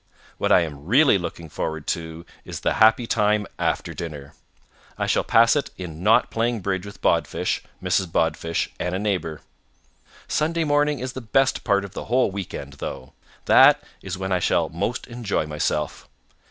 What I am really looking forward to is the happy time after dinner. I shall pass it in not playing bridge with Bodfish, Mrs. Bodfish, and a neighbor. Sunday morning is the best part of the whole weekend, though. That is when I shall most enjoy myself.